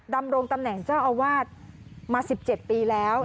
ดำรงตำแหน่งเจ้าอาวาสมา๑๗ปีแล้ว